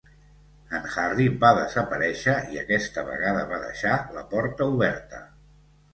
En Harry va desaparèixer i aquesta vegada va deixar la porta oberta.